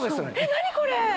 何これ！